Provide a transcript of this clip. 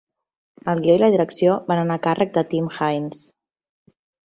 El guió i la direcció van anar a càrrec de Tim Haines.